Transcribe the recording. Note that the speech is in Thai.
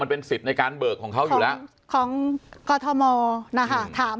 เป็นสิทธิ์ในการเบิกของเขาอยู่แล้วของกอทมนะคะถาม